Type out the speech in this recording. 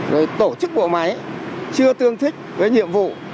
rồi tổ chức bộ máy chưa tương thích với nhiệm vụ